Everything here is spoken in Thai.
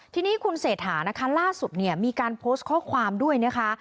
ทีนี้คุณเศรษฐานะคะล่าสุดเนี่ยมีการโพสต์ข้อความด้วยนะคะ